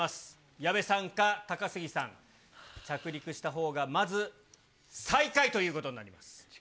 矢部さんか、高杉さん、着陸したほうがまず最下位ということになります。